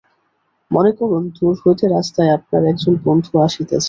মনে করুন, দূর হইতে রাস্তায় আপনার একজন বন্ধু আসিতেছেন।